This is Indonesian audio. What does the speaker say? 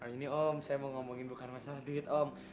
ini om saya mau ngomongin bukan masalah dikit om